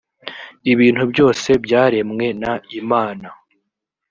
ibintu byose byaremwe n imana